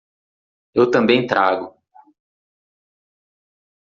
Eu também trago